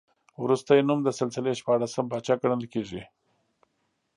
وروستی نوم د سلسلې شپاړسم پاچا ګڼل کېږي.